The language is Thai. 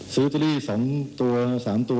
ซื้อรุตรีย์๒ตัว๓ตัว